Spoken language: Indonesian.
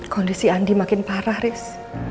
kondisi andi makin parah ris